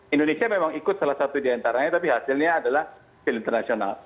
indonesia memang ikut salah satu di antaranya tapi hasilnya adalah hasil internasional